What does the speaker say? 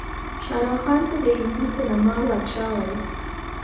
شاروخ خان ته د هندي سينما بادشاه وايې.